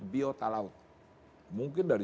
biotalaut mungkin dari